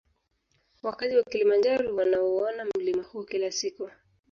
Wakazi wa kilimanjaro wanauona mlima huo kila siku